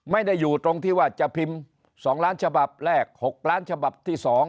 ไม่ได้อยู่ตรงที่ว่าจะพิมพ์๒ล้านฉบับแรก๖ล้านฉบับที่๒